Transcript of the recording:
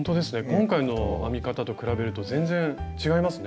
今回の編み方と比べると全然違いますね。